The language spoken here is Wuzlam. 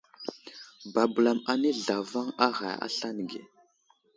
Babəlam anay zlavaŋ a ghay aslane ge.